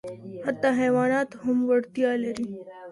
حتی حیوانات هم وړتیا لري.